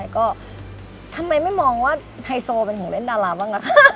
ก็ทำไมไม่มองว่าไฮโซเป็นของเล่นดาราบ้างล่ะคะ